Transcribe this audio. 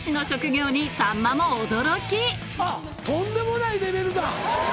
とんでもないレベルだ。